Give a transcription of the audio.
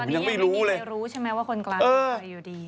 ตอนนี้ยังไม่มีใครรู้ใช่ไหมว่าคนกลางเป็นใครอยู่ดี